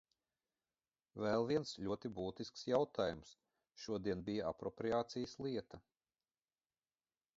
Vēl viens ļoti būtisks jautājums šodien bija apropriācijas lieta.